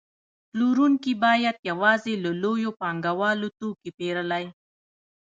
پلورونکي باید یوازې له لویو پانګوالو توکي پېرلی